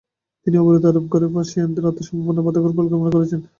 তিনি অবরোধ আরোপ করে পার্সিয়ানদের আত্মসমর্পণে বাধ্য করার পরিকল্পনা করেছিলেন।